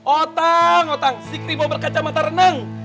otang otang si krimo berkaca mata renang